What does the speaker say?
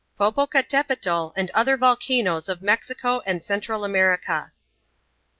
Popocatapetl and Other Volcanoes of Mexico and Central America.